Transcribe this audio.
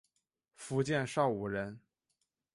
福建邵武人。